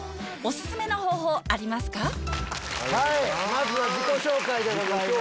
まずは自己紹介でございます。